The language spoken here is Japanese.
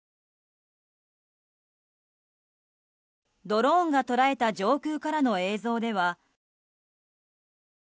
ドローンが捉えた上空からの映像では。